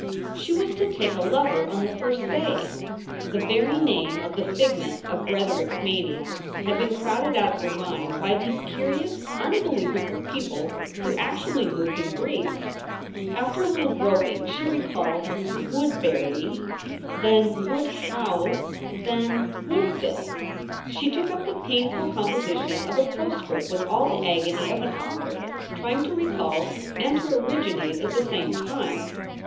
She was to take a lover on the first day ! The very name of the figment of Bretherick s mania had been crowded out of her mind by these curious, unbelievable people who actually moved and breathed. After a little groping, she recalled Woodbury, then Woodhouse, then Woodville. She took up the painful composition of a postscript with all the agony of an author trying to recall and to originate at the same time.